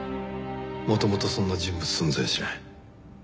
元々そんな人物存在しない。